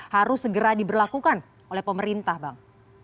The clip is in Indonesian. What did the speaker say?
harus segera diberlakukan oleh pemerintah bang